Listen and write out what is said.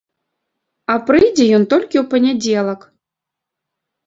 А прыйдзе ён толькі ў панядзелак.